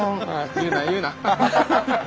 言うな言うな。